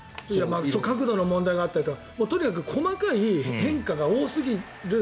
角度の問題だったりとかとにかく細かい変化が多すぎる。